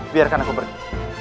biarkan aku pergi